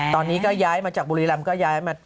ตอนนี้ก็ย้ายมาจากบุรีรำก็ย้ายมา